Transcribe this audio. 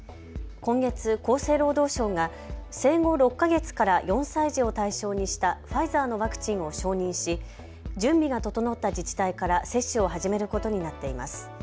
今月、厚生労働省が生後６か月から４歳児を対象にしたファイザーのワクチンを承認し準備が整った自治体から接種を始めることになっています。